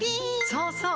そうそう！